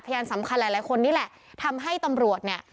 สำคัญหลายหลายคนนี่แหละทำให้ตำรวจเนี่ย